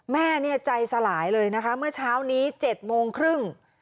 แม่เนี่ยใจสลายเลยนะคะเมื่อเช้านี้๗โมงครึ่ง